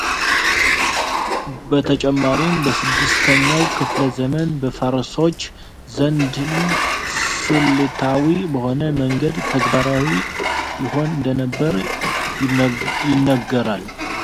በተጨማሪም በስድስተኛው ክፍለ ዘመን በፋርሶች ዘንድም ስልታዊ በሆነ መንገድ ተግባራዊ ይሆን እንደነበር ይነገራል።